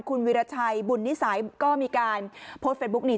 คุณวิราชัยบุญนิสัยก็มีการโพสต์เฟซบุ๊คนี้